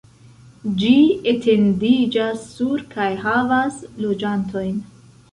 Ĝi etendiĝas sur kaj havas loĝantojn.